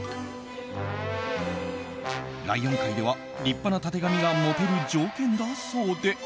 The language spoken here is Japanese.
ライオン界では立派なたてがみがモテる条件だそうで。